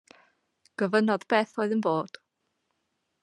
Gofynnodd beth oedd yn bod.